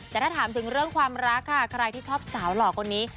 แต่ถ้าถามถึงเรื่องความรักค่ะใครที่ชอบสาวหล่อคนนี้